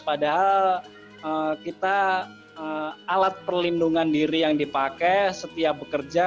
padahal kita alat perlindungan diri yang dipakai setiap bekerja